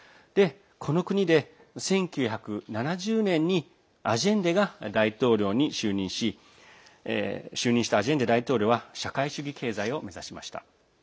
この国で、１９７０年にアジェンデが大統領に就任し就任したアジェンデ大統領は社会主義経済を目指しました。